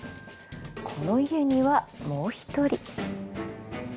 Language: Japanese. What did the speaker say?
この家にはもう一人。